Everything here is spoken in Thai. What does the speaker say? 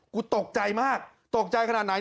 ตกใจมากตกใจขนาดไหน